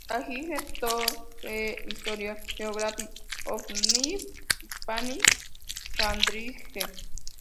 A Guide to the Historical Geography of New Spain, Cambridge.